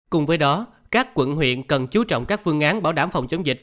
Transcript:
cùng với đó các quận huyện cần chú trọng các phương án bảo đảm phòng chống dịch